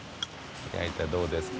どうですか？